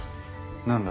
何だ？